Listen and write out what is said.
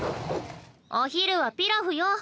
お昼はピラフよ